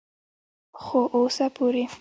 خو اوسه پورې